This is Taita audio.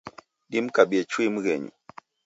Dimkabie chui mghenyu.